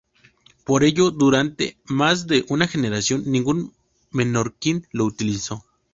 Por ello, durante más de una generación, ningún menorquín lo utilizó.